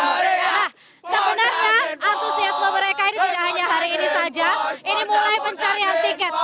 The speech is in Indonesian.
nah sebenarnya antusiasme mereka ini tidak hanya hari ini saja ini mulai pencarian tiket